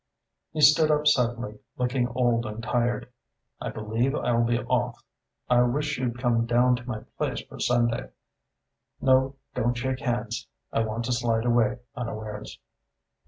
He stood up suddenly, looking old and tired. "I believe I'll be off. I wish you'd come down to my place for Sunday.... No, don't shake hands I want to slide away unawares."